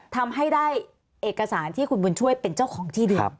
ทำให้ได้เอกสารที่คุณบุญช่วยเป็นเจ้าของที่ดิน